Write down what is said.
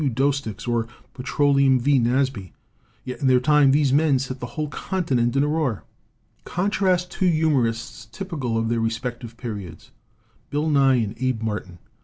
Doesticks, or Pe troleum V. Nasby? Yet in their time these men set the whole countinent in a roar. "Contrast two humorists typical of their re spective periods Bill Nye and Abe Martin.